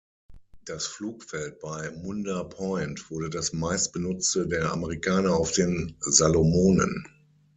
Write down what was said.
Das Flugfeld bei Munda Point wurde das meistbenutzte der Amerikaner auf den Salomonen.